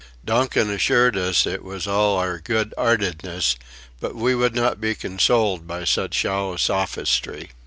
Donkin assured us it was all our "good 'eartedness," but we would not be consoled by such shallow sophistry.